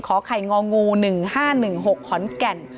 ขอไข่งองู๑๕๑๖ฝนแข่น